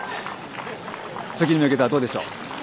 次に向けてはどうでしょう？